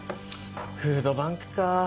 フードバンクかぁ。